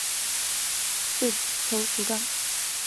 旧头足纲